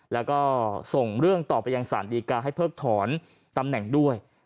แล้วก็ส่งเรื่องต่อไปยังสารดีกาให้เพิกถอนตำแหน่งด้วย